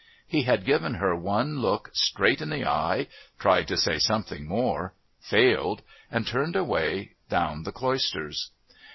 He had given her one look straight in the eyes, tried to say something more, failed, and turned away down the Cloisters.